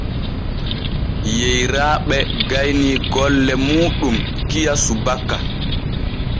Yeyraaɓe gaynii golle muuɗum kiya subaka.